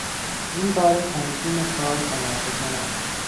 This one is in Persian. این بار سنگین کار کمرشکن است.